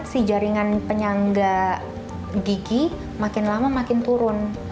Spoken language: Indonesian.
si jaringan penyangga gigi makin lama makin turun